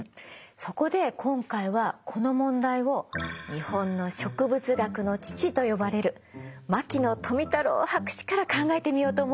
そこで今回はこの問題を日本の植物学の父と呼ばれる牧野富太郎博士から考えてみようと思うの。